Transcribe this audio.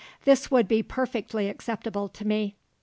This would be perfectly acceptable to me.